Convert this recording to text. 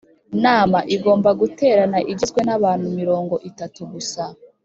nama igomba guterana igizwe nabantu mirongo itatu gusa